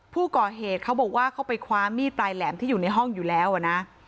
ผู้ก่อเหตุเขาบอกว่าเขาไปคว้ามีดปลายแหลมที่อยู่ในห้องอยู่แล้วนะ